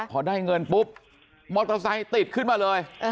พอได้เงินปุ๊บมอเตอร์ไซค์ติดขึ้นมาเลย